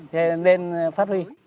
thế nên phát huy